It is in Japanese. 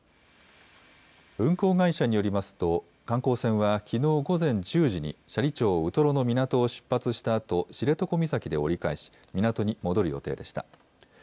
運航会社によりますと、観光船はきのう午前１０時に斜里町ウトロの港を出発したあと、知床岬で折り返し、港に戻る予定でした。